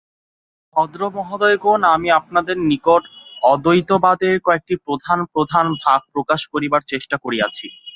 ভদ্রমহোদয়গণ, আমি আপনাদের নিকট অদ্বৈতবাদের কয়েকটি প্রধান প্রধান ভাব প্রকাশ করিবার চেষ্টা করিয়াছি।